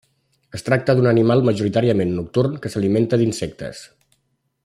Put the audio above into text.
Es tracta d'un animal majoritàriament nocturn que s'alimenta d'insectes.